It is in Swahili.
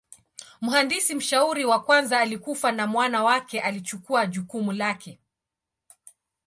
Mhandisi mshauri wa kwanza alikufa na mwana wake alichukua jukumu lake.